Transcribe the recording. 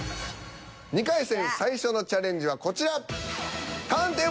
２回戦最初のチャレンジはこちら。